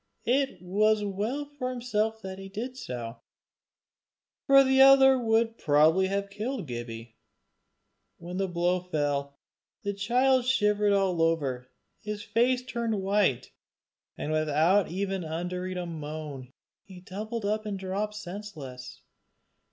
It was well for himself that he did so, for the other would probably have killed Gibbie. When the blow fell the child shivered all over, his face turned white, and without uttering even a moan, he doubled up and dropped senseless.